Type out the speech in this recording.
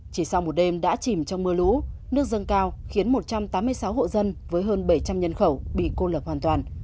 chỉ sau một đêm đã chìm trong mưa lũ nước dâng cao khiến một trăm tám mươi sáu hộ dân với hơn bảy trăm linh nhân khẩu bị cô lập hoàn toàn